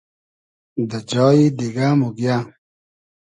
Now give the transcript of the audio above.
دہ جایی دیگۂ موگیۂ